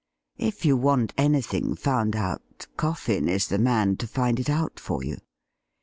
If you want anything found out, Coffin is the man to find it out for you.